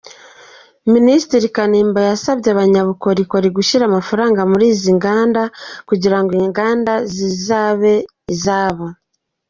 Minisitiri Kanimba yasabye abanyabukorikori gushyira amafaranga muri izi nganda kugira ngo inganda zizabe izabo.